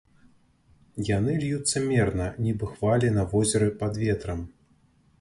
Яны льюцца мерна, нібы хвалі на возеры пад ветрам.